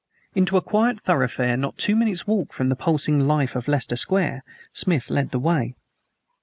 Into a quiet thoroughfare not two minutes' walk from the pulsing life of Leicester Square, Smith led the way.